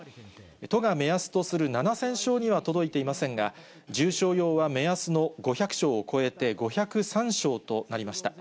都が目安とする７０００床には届いていませんが、重症用は目安の５００床を超えて、５０３床となりました。